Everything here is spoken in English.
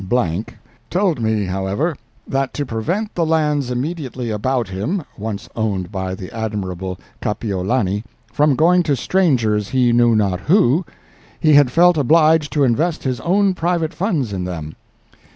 _____ told me, however, that to prevent the lands immediately about him, once owned by the admirable Kapiolani, from going to strangers he knew not who, he had felt obliged to invest his own private funds in them."